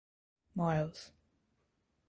Miles.